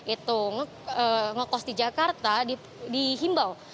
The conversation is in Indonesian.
itu ngekosti jakarta di himbau